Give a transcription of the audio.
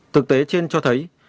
thực tế trên cho thấy